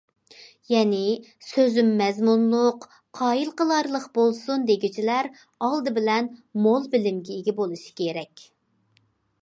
يەنى، سۆزۈم مەزمۇنلۇق، قايىل قىلارلىق بولسۇن دېگۈچىلەر ئالدى بىلەن مول بىلىمگە ئىگە بولۇشى كېرەك.